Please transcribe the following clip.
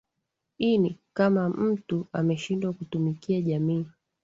ini kama mtu ameshindwa kutumikia jamii